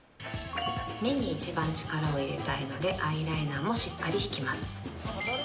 目に一番力を入れたいのでアイライナーもしっかり引きます。